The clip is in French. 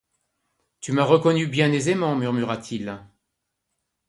Tu m'as reconnu bien aisément, murmura-t-il.